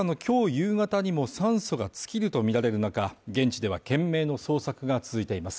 夕方にも酸素が尽きるとみられる中、現地では懸命の捜索が続いています。